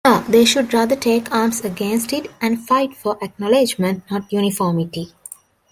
No, they should rather take arms against it, and fight for acknowledgment, not uniformity.